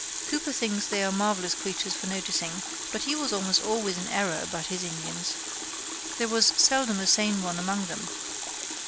Cooper thinks they are marvelous creatures for noticing, but he was almost always in error about his Indians. There was seldom a sane one among them.